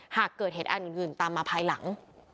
หากเกิดเหตุการณ์อื่นตามมาภายหลัง